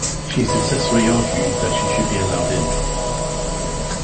She successfully argued that she should be allowed in.